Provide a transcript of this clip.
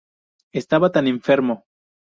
Estaba tan enfermo.